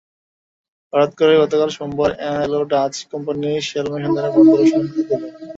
হঠাৎ করেই গতকাল সোমবার অ্যাংলো-ডাচ কোম্পানি শেল অনুসন্ধান বন্ধের ঘোষণা দিল।